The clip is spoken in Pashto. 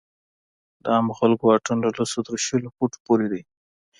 د عامو خلکو واټن له لسو تر شلو فوټو پورې دی.